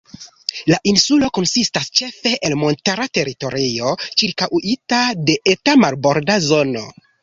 La insulo konsistas ĉefe el montara teritorio ĉirkaŭita de eta marborda zono.